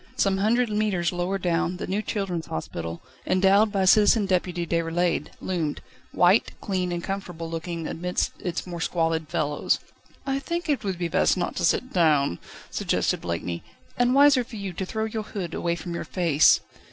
Some hundred mètres lower down, the new children's hospital, endowed by Citizen Deputy Déroulède, loomed, white, clean, and comfortable looking, amidst its more squalid fellows. "I think it would be best not to sit down," suggested Blakeney, "and wiser for you to throw your hood away from your face."